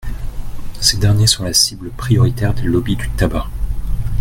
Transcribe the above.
Ces derniers sont la cible prioritaire des lobbies du tabac.